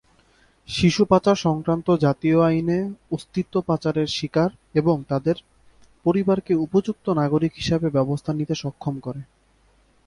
শিশু পাচার সংক্রান্ত জাতীয় আইনের অস্তিত্ব পাচারের শিকার এবং/অথবা তাদের পরিবারকে উপযুক্ত নাগরিক হিসাবে ব্যবস্থা নিতে সক্ষম করে।